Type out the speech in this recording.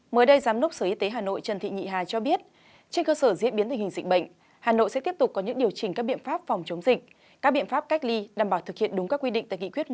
mới đây giám đốc sở y tế hà nội trần thị nhị hà cho biết trên cơ sở diễn biến tình hình dịch bệnh hà nội sẽ tiếp tục có những điều chỉnh các biện pháp phòng chống dịch các biện pháp cách ly đảm bảo thực hiện đúng các quy định tại nghị quyết một mươi